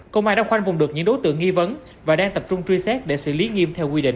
công an đã khoanh vùng được những đối tượng nghi vấn và đang tập trung truy xét để xử lý nghiêm theo quy định